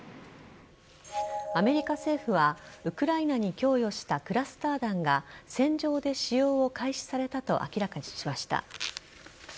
アメリカ政府はウクライナに供与したクラスター弾が戦場で使用を開始されたと明らかにしました。